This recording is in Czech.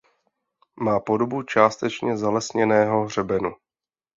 Má podobu částečně zalesněného hřebenu.